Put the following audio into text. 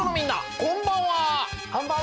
こんばんは！